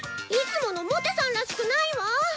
いつもの茂手さんらしくないわ。